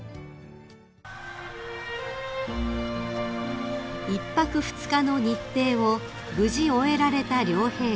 ［１泊２日の日程を無事終えられた両陛下］